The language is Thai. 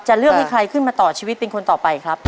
เลือกให้ใครขึ้นมาต่อชีวิตเป็นคนต่อไปครับ